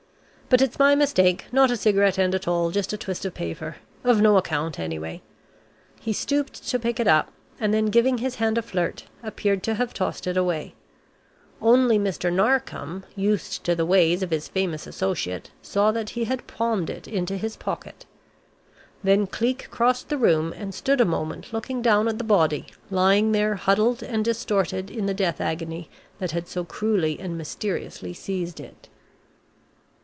"But it's my mistake; not a cigarette end at all, just a twist of paper. Of no account anyway." He stooped to pick it up, and then giving his hand a flirt, appeared to have tossed it away. Only Mr. Narkom, used to the ways of his famous associate, saw that he had "palmed" it into his pocket. Then Cleek crossed the room and stood a moment looking down at the body, lying there huddled and distorted in the death agony that had so cruelly and mysteriously seized it.